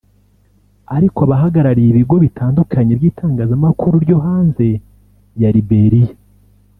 ariko abahagarariye ibigo bitandukanye by'itangazamakuru ryo hanze ya Liberia